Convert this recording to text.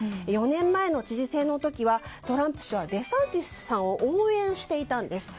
４年前の知事選の時はトランプ氏はデサンティスさんを応援していたんです。